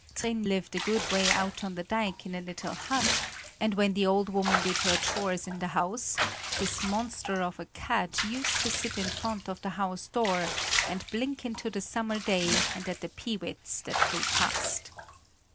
Trin lived a good way out on the dike in a little hut, and when the old woman did her chores in the house, this monster of a cat used to sit in front of the house door and blink into the summer day and at the peewits that flew past.